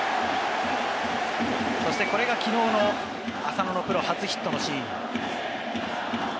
そしてこれがきのうの浅野のプロ初ヒットのシーン。